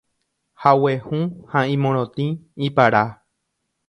Hague hũ ha morotĩ, ipara.